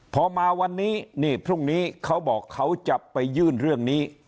พอมาวันนี้นี่พรุ่งนี้เขาบอกเขาจะไปยื่นเรื่องนี้